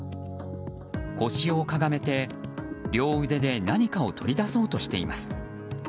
腰をかがめて両腕で何かを取り出そうとしています。